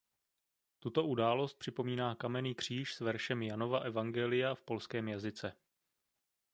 Tuto událost připomíná kamenný kříž s veršem Janova evangelia v polském jazyce.